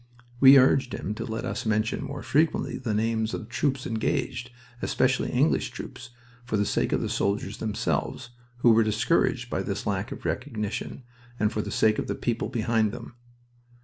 We urged him to let us mention more frequently the names of the troops engaged especially English troops for the sake of the soldiers themselves, who were discouraged by this lack of recognition, and for the sake of the people behind them...